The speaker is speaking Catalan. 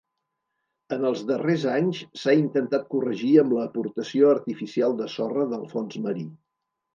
En els darrers anys s'ha intentat corregir amb l'aportació artificial de sorra del fons marí.